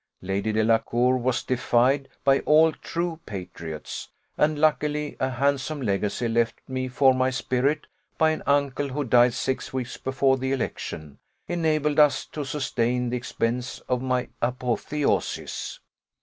Lady Delacour was deified by all true patriots; and, luckily, a handsome legacy left me for my spirit, by an uncle who died six weeks before the election, enabled us to sustain the expense of my apotheosis.